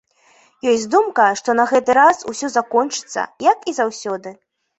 Ёсць думка, што на гэты раз усё закончыцца, як і заўсёды.